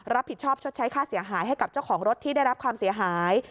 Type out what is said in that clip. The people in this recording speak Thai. ชดใช้ค่าเสียหายให้กับเจ้าของรถที่ได้รับความเสียหาย